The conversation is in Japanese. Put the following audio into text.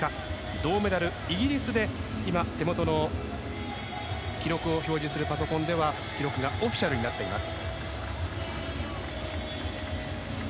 銅メダル、イギリスで手元の記録を表示するパソコンでは記録がオフィシャルになっています。